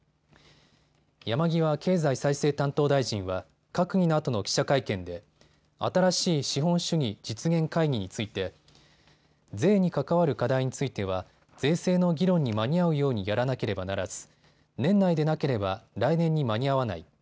山際経済再生担当大臣は閣議のあとの記者会見で新しい資本主義実現会議について税に関わる課題については税制の議論に間に合うようにやらなければならず年内でなければ来年に間に合わない。